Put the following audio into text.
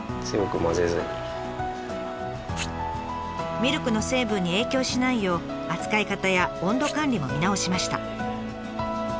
ミルクの成分に影響しないよう扱い方や温度管理も見直しました。